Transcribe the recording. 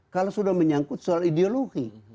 kalau sudah menyangkut soal ideologi